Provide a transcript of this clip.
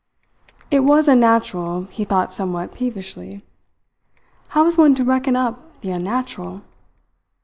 It was unnatural, he thought somewhat peevishly. How was one to reckon up the unnatural?